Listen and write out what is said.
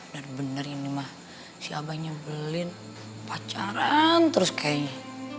biar bener ini mah si abah nyebelin pacaran terus kayaknya